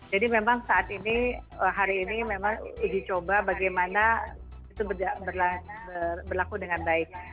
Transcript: jadi memang saat ini hari ini memang uji coba bagaimana itu berlaku dengan baik